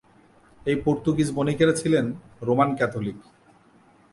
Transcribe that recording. এই পর্তুগীজ বণিকেরা ছিলেন Roman Catholic.